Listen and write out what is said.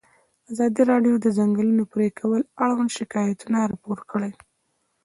ازادي راډیو د د ځنګلونو پرېکول اړوند شکایتونه راپور کړي.